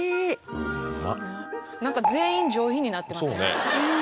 うっま何か全員上品になってません？